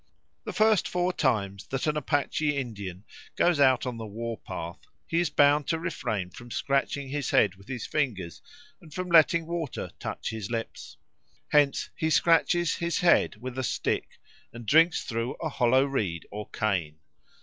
The first four times that an Apache Indian goes out on the war path, he is bound to refrain from scratching his head with his fingers and from letting water touch his lips. Hence he scratches his head with a stick, and drinks through a hollow reed or cane.